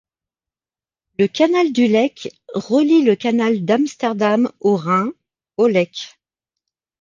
Le Canal du Lek relie le Canal d'Amsterdam au Rhin au Lek.